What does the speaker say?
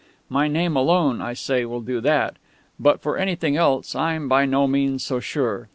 My name alone, I say, will do that. But for anything else I'm by no means so sure.